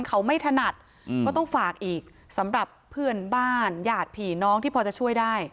เขาไม่ถนัดก็ต้องฝากอีกสำหรับเพื่อนบ้านญาติผีน้องที่พอจะช่วยได้